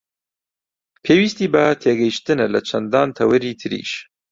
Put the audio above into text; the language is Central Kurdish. پێویستی بە تێگەیشتنە لە چەندان تەوەری تریش